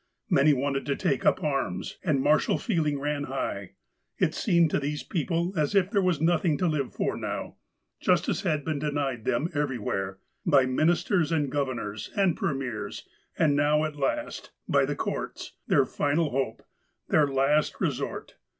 Many wanted to take up arms, and martial feeling ran high. It seemed to these people as if there was nothing to live for now. Justice had been denied them every where — by ministers, and governors, and premiers, and now, at last, by the courts, their final hope, their last re sort.